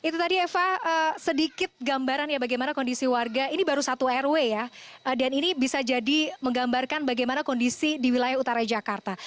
itu tadi eva sedikit gambaran ya bagaimana kondisi warga ini baru satu rw ya dan ini bisa jadi menggambarkan bagaimana kondisi di wilayah utara jakarta